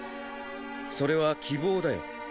それは希望だよ。